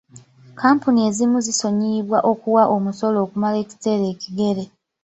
Kkampuni ezimu zisonyiyibwa okuwa omusolo okumala ekiseera ekigere.